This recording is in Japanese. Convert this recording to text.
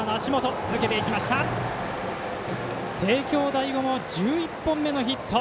帝京第五も１１本目のヒット。